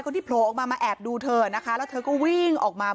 ที่โผล่ออกมามาแอบดูเธอนะคะแล้วเธอก็วิ่งออกมา